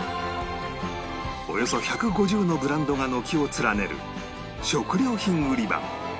およそ１５０のブランドが軒を連ねる食料品売り場